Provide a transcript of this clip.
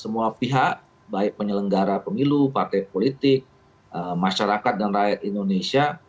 semua pihak baik penyelenggara pemilu partai politik masyarakat dan rakyat indonesia